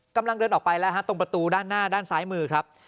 กำลังเดินออกไปแล้วฮะตรงประตูด้านหน้าด้านซ้ายมือครับ